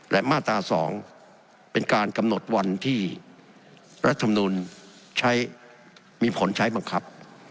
และมาตรา๒เป็นการกำหนดวันที่รัฐมนุนใช้มีผลใช้บังคับ